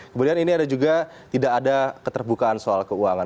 kemudian ini ada juga tidak ada keterbukaan soal keuangan